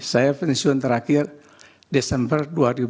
saya pensiun terakhir desember dua ribu dua puluh